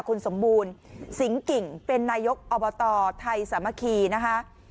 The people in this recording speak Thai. คุณสมบูรณ์สิงกิ่งเป็นนายกอบตไทยสามัคคีนะคะ